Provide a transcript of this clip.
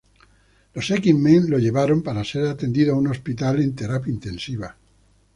Los X-Men lo llevaron, para ser atendido, a un hospital en terapia intensiva.